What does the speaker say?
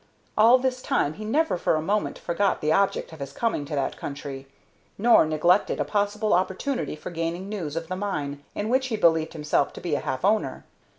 All this time he never for a moment forgot the object of his coming to that country, nor neglected a possible opportunity for gaining news of the mine in which he believed himself to be a half owner.